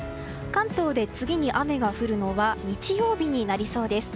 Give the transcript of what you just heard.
関東で次に雨が降るのは日曜日になりそうです。